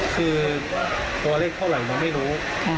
คือตัวเลขเท่าไหร่มันไม่รู้